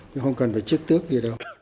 không cần phải chức tước gì đâu